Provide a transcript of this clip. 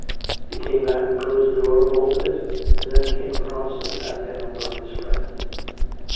He came back, closed the door, bolted it, and then came across and sat down by his friend.